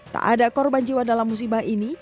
tak ada korban jiwa dalam musibah ini